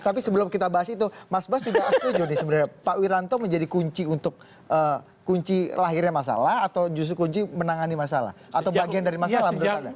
tapi sebelum kita bahas itu mas bas juga setuju nih sebenarnya pak wiranto menjadi kunci untuk kunci lahirnya masalah atau justru kunci menangani masalah atau bagian dari masalah menurut anda